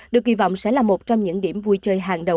được kỳ vọng sẽ là một trong những điểm vui chơi hàng đầu